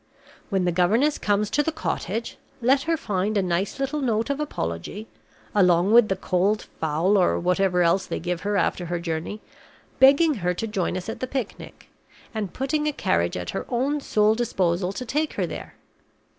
When the governess comes to the cottage, let her find a nice little note of apology (along with the cold fowl, or whatever else they give her after her journey) begging her to join us at the picnic, and putting a carriage at her own sole disposal to take her there.